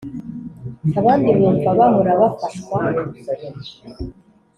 abandi bumva bahora bafashwa .